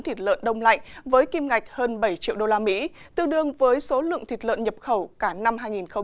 thịt lợn đông lạnh với kim ngạch hơn bảy triệu usd tương đương với số lượng thịt lợn nhập khẩu cả năm hai nghìn một mươi tám